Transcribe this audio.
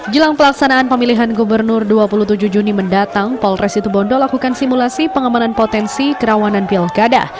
jelang pelaksanaan pemilihan gubernur dua puluh tujuh juni mendatang polres situbondo lakukan simulasi pengamanan potensi kerawanan pilkada